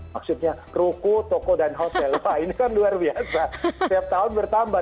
maksudnya ruko toko dan hotel pak ini kan luar biasa setiap tahun bertambah